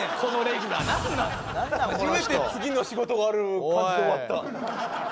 初めて次の仕事がある感じで終わった。